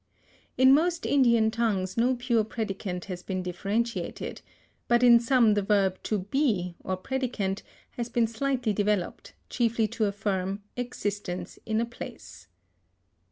In most Indian tongues no pure predicant has been differentiated, but in some the verb to be, or predicant, has been slightly developed, chiefly to affirm, existence in a place.